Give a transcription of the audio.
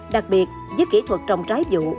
đặc biệt với kỹ thuật trồng trái vụ